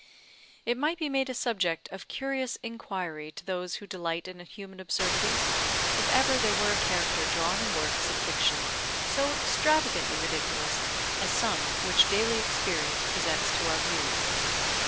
It might be made a subject of curious inquiry to those who delight in human absurdities, if ever there were a character drawn in works of fiction so extravagantly ridiculous as some which daily experience presents to our view.